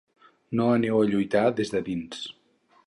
No aneu a lluitar des de dins.